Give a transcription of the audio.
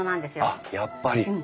あっやっぱり。